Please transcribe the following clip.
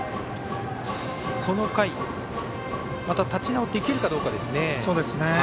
この回、立ち直っていけるかどうかですね。